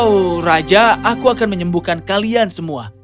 oh raja aku akan menyembuhkan kalian semua